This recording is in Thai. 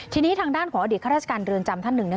ทีนี้ทางด้านของอดีตข้าราชการเรือนจำท่านหนึ่ง